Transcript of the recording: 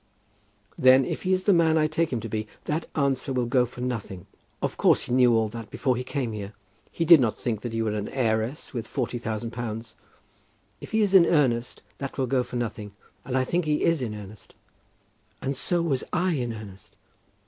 "Then, if he is the man I take him to be, that answer will go for nothing. Of course he knew all that before he came here. He did not think you were an heiress with forty thousand pounds. If he is in earnest, that will go for nothing. And I think he is in earnest." "And so was I in earnest."